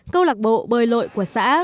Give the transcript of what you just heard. câu lạc bộ bơi lội của xã